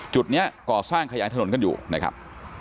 จุดนี้ก่อสร้างขยายถนนกันอยู่นะครับ